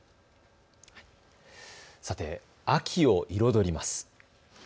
さて、秋を彩ります。